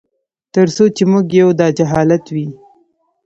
تر څو چي موږ یو داجهالت وي